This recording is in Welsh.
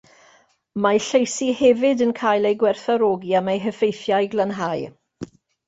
Mae lleisi hefyd yn cael eu gwerthfawrogi am eu heffeithiau glanhau.